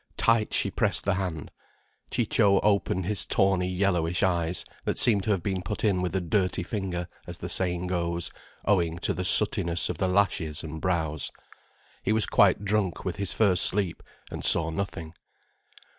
Tight she pressed the hand. Ciccio opened his tawny yellowish eyes, that seemed to have been put in with a dirty finger, as the saying goes, owing to the sootiness of the lashes and brows. He was quite drunk with his first sleep, and saw nothing.